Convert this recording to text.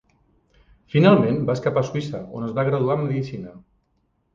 Finalment va escapar a Suïssa on es va graduar en medicina.